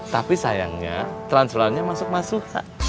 tapi sayangnya transplannya masuk masuha